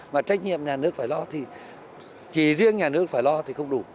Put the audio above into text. mà trách nhiệm nhà nước phải lo thì chỉ riêng nhà nước phải lo thì không đủ